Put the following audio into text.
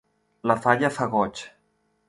La falla fa goig.